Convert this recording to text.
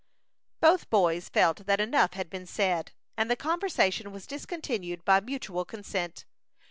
Both boys felt that enough had been said, and the conversation was discontinued by mutual consent.